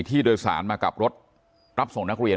ผู้โดยสารมากับรถรับส่งนักเรียน